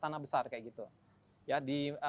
tanah besar kayak gitu ya di